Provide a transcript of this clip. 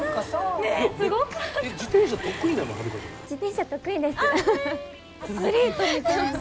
自転車得意です。